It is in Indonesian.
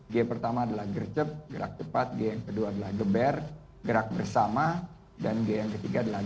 g pertama adalah gercep gerak cepat g yang kedua adalah geber gerak bersama dan g yang ketiga adalah